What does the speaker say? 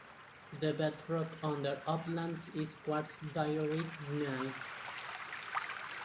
The bedrock under Uplands is quartz diorite gneiss.